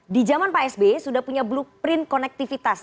di zaman pak sbe sudah punya blueprint konektivitas